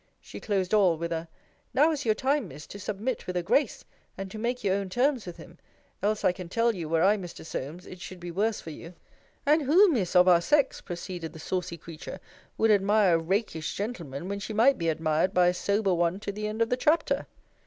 She closed all with a Now is your time, Miss, to submit with a grace, and to make your own terms with him: else, I can tell you, were I Mr. Solmes, it should be worse for you: And who, Miss, of our sex, proceeded the saucy creature, would admire a rakish gentleman, when she might be admired by a sober one to the end of the chapter?